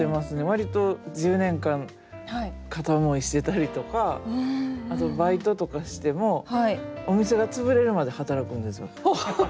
割と１０年間片思いしてたりとかあとバイトとかしてもお店が潰れるまで働くんですよ。